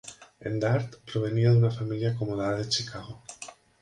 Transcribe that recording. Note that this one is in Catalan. En Dart provenia d'una família acomodada de Chicago.